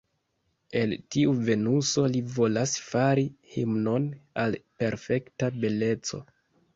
El tiu Venuso li volas fari himnon al perfekta beleco.